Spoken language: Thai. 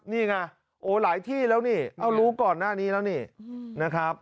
นี่ไงโอ้หลายที่แล้วนี่เอารู้ก่อนหน้านี้แล้วนี่นะครับ